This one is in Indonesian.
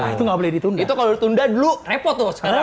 itu nggak boleh ditunda itu kalau ditunda dulu repot tuh sekarang